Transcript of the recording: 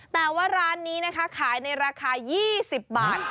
แต่ว่าร้านนี้นะคะขายในราคา๒๐บาท